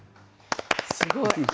すごい。